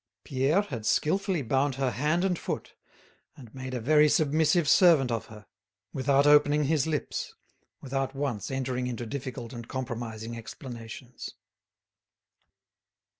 Pierre had skilfully bound her hand and foot, and made a very submissive servant of her, without opening his lips, without once entering into difficult and compromising explanations.